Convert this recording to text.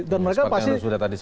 dan mereka pasti